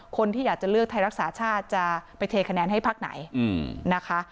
คนที่อยากจะเลือกไทยรักษาชาติจะไปเทคะแนนให้พักไหนนะคะ